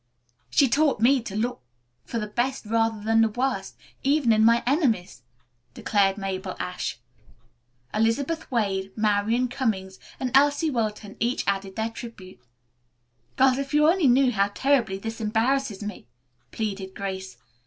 "She taught me to look for the best rather than the worst, even in my enemies," declared Mabel Ashe. Elizabeth Wade, Marian Cummings and Elsie Wilton each added their tribute. "Girls, if you only knew how terribly this embarrasses me," pleaded Grace.